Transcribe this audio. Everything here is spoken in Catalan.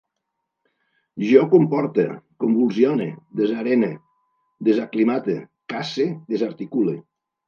Jo comporte, convulsione, desarene, desaclimate, casse, desarticule